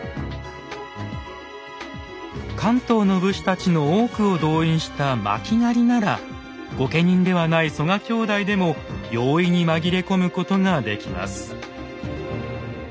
関東の武士たちの多くを動員した巻狩なら御家人ではない曽我兄弟でも容易に紛れ込むことができます。